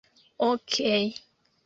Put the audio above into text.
okej